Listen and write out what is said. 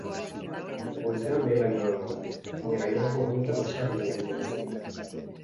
Goizean behe-lainoa egongo da, baina gainerako orduetan oskarbi egongo da zerua.